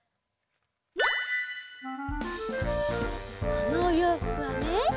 このおようふくはね